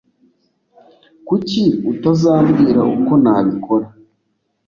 Kuki utazambwira uko nabikora?